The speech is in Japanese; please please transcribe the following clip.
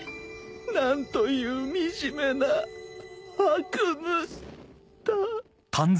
何という惨めな悪夢だ